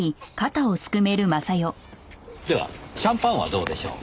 ではシャンパンはどうでしょう？